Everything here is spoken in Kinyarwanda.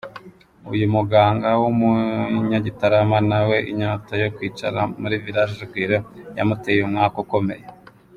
Uyu muganga w’umunyagitarama nawe inyota yo kwicara muri Village Urugwiro yamuteye umwaku ukomeye.